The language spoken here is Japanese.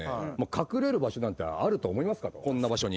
隠れる場所なんてあると思いますかこんな場所に。